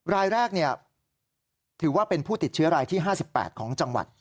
รายแรกถือว่าเป็นผู้ติดเชื้อรายที่๕๘ของจังหวัด